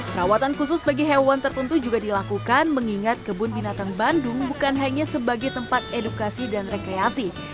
perawatan khusus bagi hewan tertentu juga dilakukan mengingat kebun binatang bandung bukan hanya sebagai tempat edukasi dan rekreasi